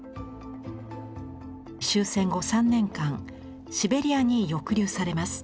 終戦後３年間シベリアに抑留されます。